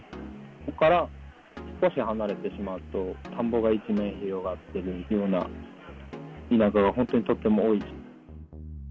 そこから少し離れてしまうと、田んぼが一面広がってるような田舎が本当にとっても多い地域。